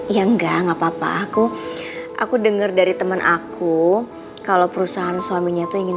ya enggak enggak apa apa aku aku denger dari temen aku kalau perusahaan suaminya tuh ingin